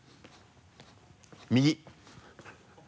右。